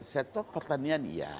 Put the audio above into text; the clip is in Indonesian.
sektor pertanian iya